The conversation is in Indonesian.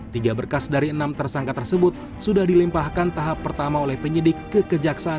tiga berkas dari enam tersangka tersebut sudah dilempahkan tahap pertama oleh penyidik kekejaksanaan